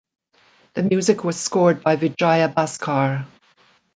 The music was scored by Vijaya Bhaskar.